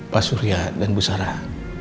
pak surya dan bu sarah